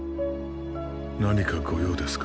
何か御用ですか？